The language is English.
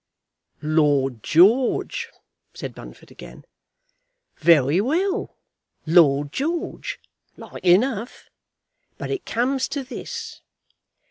"Lord George," said Bunfit again. "Very well, Lord George. Like enough. But it comes to this.